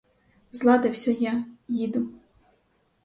Зладився я, їду.